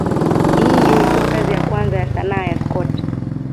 Hii ilikuwa kazi ya kwanza ya sanaa ya Scott.